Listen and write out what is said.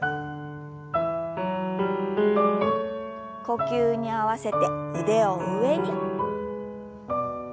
呼吸に合わせて腕を上に。